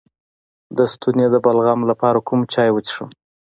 د ستوني د بلغم لپاره کوم چای وڅښم؟